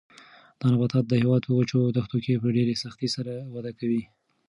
دا نباتات د هېواد په وچو دښتو کې په ډېر سختۍ سره وده کوي.